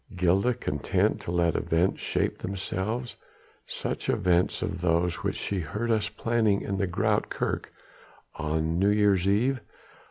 Gilda content to let events shape themselves such events as those which she heard us planning in the Groote Kerk on New Year's Eve?